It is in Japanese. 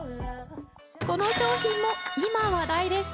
この商品も今話題です。